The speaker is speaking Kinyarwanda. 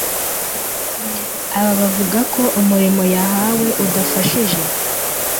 aba avuga ko umurimo yahawe udafashije